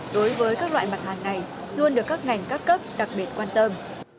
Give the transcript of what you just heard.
đối với các loại mặt hàng này luôn được các ngành các cấp đặc biệt quan tâm